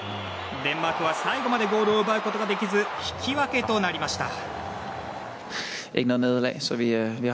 デンマークは、最後までゴールを奪うことができず引き分けとなりました。